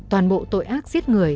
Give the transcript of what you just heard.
toàn bộ tội ác giết người